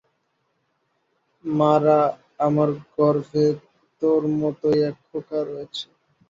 মারা, আমার গর্ভে তোর মতোই এক খোকা রয়েছে।